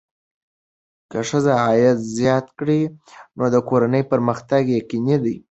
که ښځه عاید زیات کړي، نو د کورنۍ پرمختګ یقیني دی.